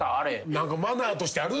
何かマナーとしてある。